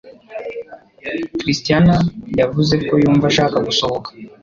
christiana yavuze ko yumva ashaka gusohoka.